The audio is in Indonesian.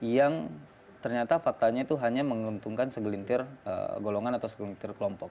yang ternyata faktanya itu hanya menguntungkan segelintir golongan atau segelintir kelompok